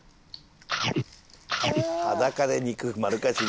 裸で肉丸かじり。